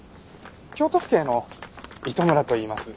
京都府警の糸村といいます。